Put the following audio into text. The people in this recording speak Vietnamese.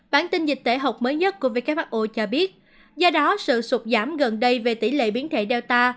bản tin dịch tễ học mới nhất của who cho biết do đó sự sụt giảm gần đây về tỷ lệ biến thể data